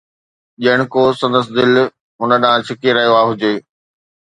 ڄڻ ڪو سندس دل هن ڏانهن ڇڪي رهيو هجي